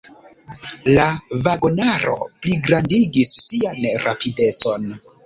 La vagonaro pligrandigis sian rapidecon.